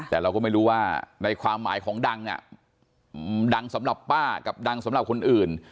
แต่เราก็ไม่รู้ว่าในความหมายของดังดังสำหรับป้ากับดังสำหรับคนอื่น